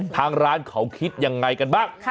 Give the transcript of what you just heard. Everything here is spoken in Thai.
ทางร้านเขาคิดยังไงกันบ้าง